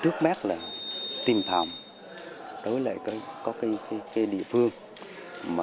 trước mắt là tiêm phòng đối lại có cái địa phương mà đã xảy ra dịch như điện tiến và một số địa phương lan cặp